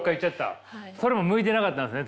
それも向いてなかったんですね。